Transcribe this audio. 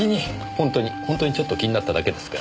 ホントにホントにちょっと気になっただけですから。